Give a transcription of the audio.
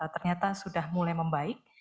ternyata sudah mulai membaik